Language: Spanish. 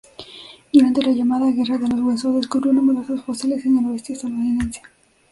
Durante la llamada guerra de los Huesos descubrió numerosos fósiles en el oeste estadounidense.